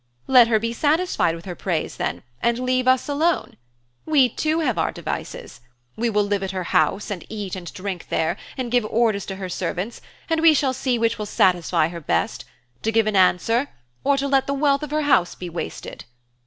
Let her be satisfied with their praise then, and leave us alone. We too have our devices. We will live at her house and eat and drink there and give orders to her servants and we shall see which will satisfy her best to give an answer or to let the wealth of her house be wasted.